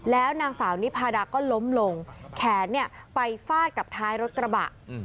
แล้วนางสาวนิพาดาก็ล้มลงแขนไปฟาดกับท้ายรถกระบะ